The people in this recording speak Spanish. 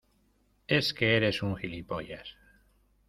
es que eres un gilipollas.